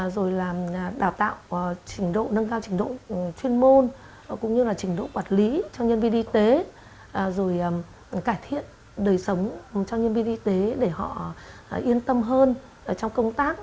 đời sống trong nhân viên y tế để họ yên tâm hơn trong công tác